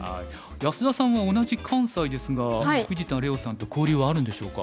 安田さんは同じ関西ですが藤田怜央さんと交流はあるんでしょうか？